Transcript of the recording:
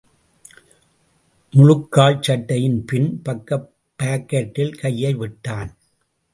முழுக்கால் சட்டையின் பின் பக்கப் பாக்கெட்டில் கையை விட்டான்.